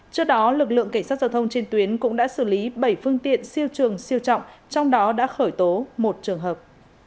trước đó lực lượng cảnh sát giao thông trên tuyến cũng đã xử lý bảy phương tiện siêu trường siêu trọng trong đó đã khởi tố một trường hợp